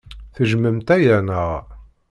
Tejjmemt aya, naɣ?